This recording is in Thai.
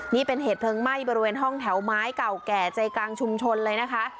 นี่เป็นเหตุเพลิงไหม้บริเวณห้องแถวไม้เก่าแก่ใจกลางชุมชนเลยนะคะ